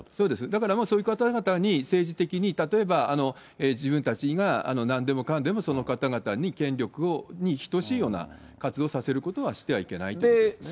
だからそういう方々に、政治的に例えば、自分たちがなんでもかんでも、その方々に権力に等しいような活動をさせることはしてはいけないということですね。